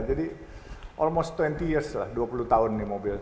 jadi almost dua puluh years lah dua puluh tahun nih mobil